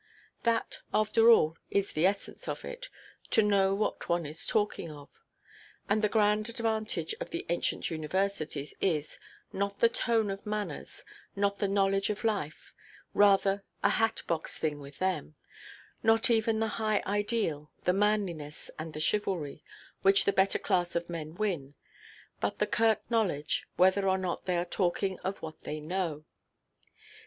That, after all, is the essence of it—to know what one is talking of. And the grand advantage of the ancient universities is, not the tone of manners, not the knowledge of life—rather a hat–box thing with them—not even the high ideal, the manliness, and the chivalry, which the better class of men win; but the curt knowledge, whether or not they are talking of what they know.